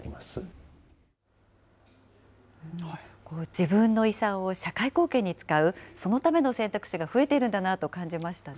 自分の遺産を、社会貢献に使う、そのための選択肢が増えているんだなと感じましたね。